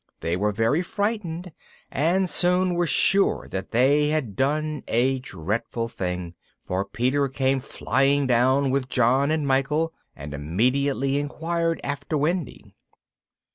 They were very frightened, and soon were sure that they had done a dreadful thing, for Peter came flying down with John and Michael, and immediately inquired after Wendy.